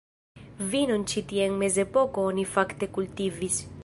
Vinon ĉi tie en mezepoko oni fakte kultivis.